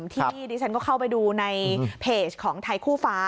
ที่ดิฉันก็เข้าไปดูในเพจของไทยคู่ฟ้า